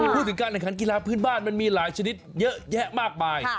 พูดถึงการแข่งขันกีฬาพื้นบ้านมันมีหลายชนิดเยอะแยะมากมาย